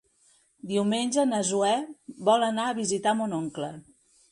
Diumenge na Zoè vol anar a visitar mon oncle.